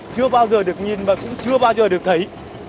chưa bao giờ được nhìn và cũng chưa bao giờ được thấy